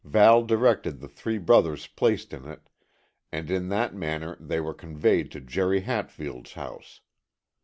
Val directed the three brothers placed in it, and in that manner they were conveyed to Jerry Hatfield's house.